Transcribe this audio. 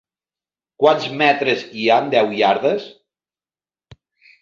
Quants metres hi ha en deu iardes?